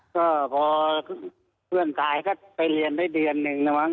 ก็พอเพื่อนตายก็ไปเรียนได้เดือนหนึ่งนะมั้